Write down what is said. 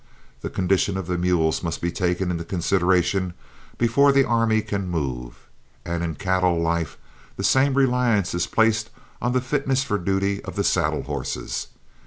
The condition of the mules must be taken into consideration before the army can move, and in cattle life the same reliance is placed on the fitness for duty of the saddle horses.